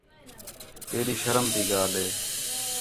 کیݙی شرم تی ڳالھ ہے